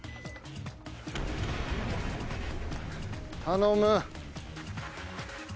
頼む！